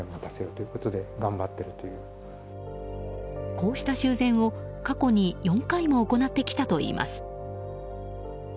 こうした修繕を、過去に４回も行ってきたといいます。